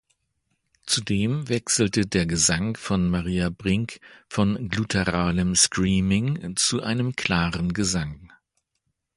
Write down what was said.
Zudem wechselte der Gesang von Maria Brink von gutturalem Screaming zu einem klaren Gesang.